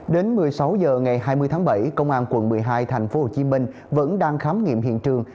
đến một mươi sáu h ngày hai mươi tháng bảy công an quận một mươi hai tp hcm vẫn đang khám nghiệm hiện trường